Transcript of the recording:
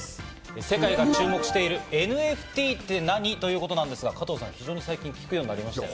世界が注目しているＮＦＴって何？ということなんですが加藤さん、最近よく聞くようになりましたよね。